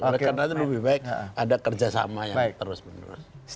karena itu lebih baik ada kerjasama yang terus menerus